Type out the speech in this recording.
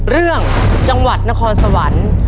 เรื่องจังหวัดนครสวรรค์